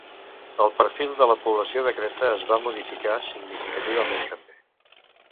El perfil de la població de Creta es va modificar significativament també.